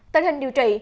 tình hình điều trị